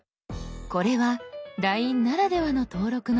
これは「ＬＩＮＥ」ならではの登録の項目。